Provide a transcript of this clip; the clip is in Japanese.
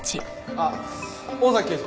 あっ大崎刑事。